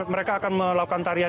mereka akan melakukan tarian